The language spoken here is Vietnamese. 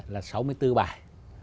là sáu mươi bốn bài